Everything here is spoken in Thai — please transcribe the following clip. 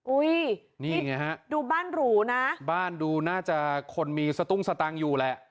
อุ้ยนี่ไงฮะดูบ้านหรูนะบ้านดูน่าจะคนมีสตุ้งสตังค์อยู่แหละ